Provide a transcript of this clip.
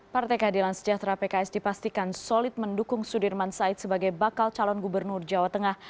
partai keadilan sejahtera pks dipastikan solid mendukung sudirman said sebagai bakal calon gubernur jawa tengah